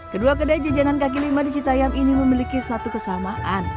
kedua kedai jajanan kaki lima di citayam ini memiliki satu kesamaan